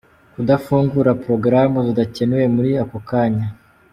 Kudafungura porogaramu zidakenewe muri ako kanya.